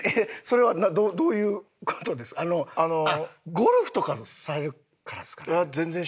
ゴルフとかされるからですかね？